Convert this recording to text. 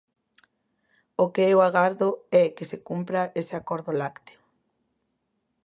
O que eu agardo é que se cumpra ese acordo lácteo.